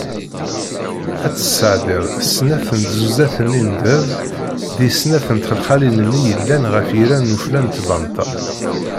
Ad tesɛeddiḍ snat n tzuraz-nni n ddheb di snat n txelxalin-nni yellan ɣef yiran n ufella n tbanta.